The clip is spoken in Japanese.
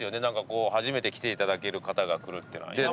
何かこう初めて来ていただける方が来るっていうのは。